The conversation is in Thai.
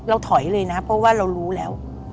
ถอยเลยนะเพราะว่าเรารู้แล้ว